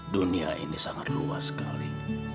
dunia ini sangat luas sekali